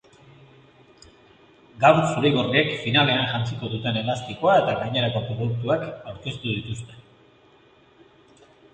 Gaur zuri-gorriek finalean jantziko duten elastikoa eta gainerako produktuak aurkeztu dituzte.